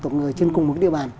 tổng người trên cùng một địa bàn